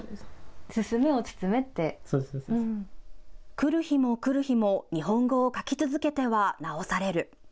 来る日も来る日も日本語を書き続けては直される。